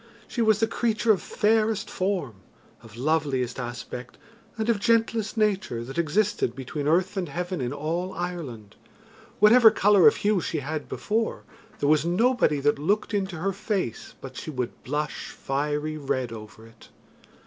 She was the creature of fairest form, of loveliest aspect, and of gentlest nature that existed between earth and heaven in all Ireland whatever colour of hue she had before, there was nobody that looked into her face but she would blush fiery red over it.